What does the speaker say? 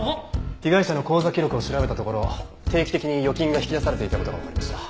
被害者の口座記録を調べたところ定期的に預金が引き出されていた事がわかりました。